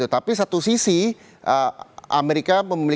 tapi satu sisi amerika memiliki kepala